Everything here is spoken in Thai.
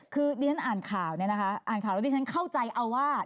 คือดิฉันอ่านข่าว